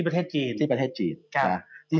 ที่ประเทศจีน